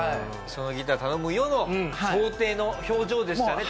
「そのギター頼むよ」の想定の表情でしたよね